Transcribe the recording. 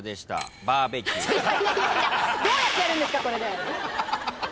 どうやってやるんですかこれで！